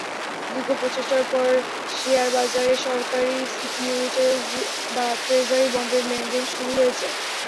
দীর্ঘ প্রচেষ্টার পর শেয়ারবাজারে সরকারি সিকিউরিটিজ বা ট্রেজারি বন্ডের লেনদেন শুরু হয়েছে।